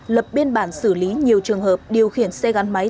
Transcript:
lập biên bản xử lý nhiều trường hợp điều khiển xe gắn máy